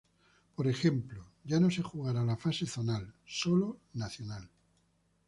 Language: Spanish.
Por ejemplo, ya no se jugará la fase zonal, solo nacional.